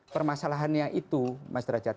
permasalahannya itu mas derajat